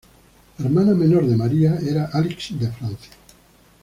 La hermana menor de María era Alix de Francia.